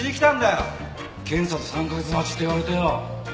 検査で３カ月待ちって言われてよ。